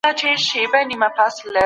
تاسو باید تل د حقایقو لټون وکړئ.